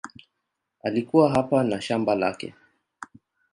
Alikuwa hapa na shamba lake.